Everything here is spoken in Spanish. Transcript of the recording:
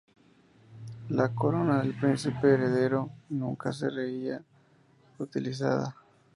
La corona del príncipe heredero nunca sería utilizada.